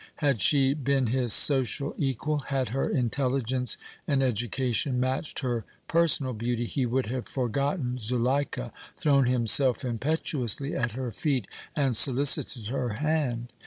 Had she been his social equal, had her intelligence and education matched her personal beauty, he would have forgotten Zuleika, thrown himself impetuously at her feet and solicited her hand.